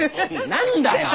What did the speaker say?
何だよ！